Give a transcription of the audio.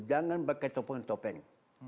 jangan pakai topeng topeng